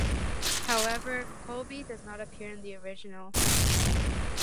However, Cobley does not appear in the original.